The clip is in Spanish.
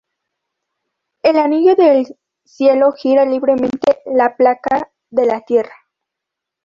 El anillo del cielo gira libremente en la placa de la tierra.